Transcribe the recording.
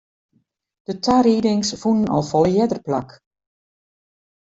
De tariedings fûnen al folle earder plak.